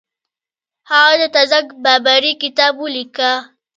هغه د تزک بابري کتاب ولیکه.